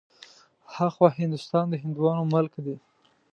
ها خوا هندوستان د هندوانو ملک دی.